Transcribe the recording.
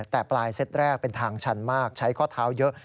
แต่ปลายเซตแรกเป็นทางชันมากใช้ข้อเท้าเยอะ